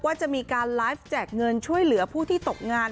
ว่าจะมีการไลฟ์แจกเงินช่วยเหลือผู้ที่ตกงาน